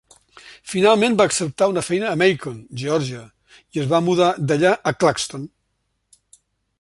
Finalment va acceptar una feina a Macon, Georgia, i es va mudar d'allà a Claxton.